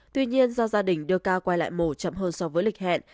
tuy nhiên do gia đình đưa ca quay lại mổ chậm hơn so với lịch hẹn